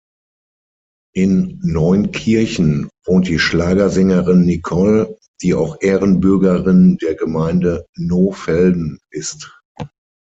In Neunkirchen wohnt die Schlagersängerin Nicole, die auch Ehrenbürgerin der Gemeinde Nohfelden ist.